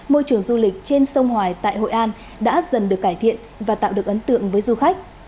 môi trường du lịch trên sông hoài tại hội an đã dần được cải thiện và tạo được ấn tượng với du khách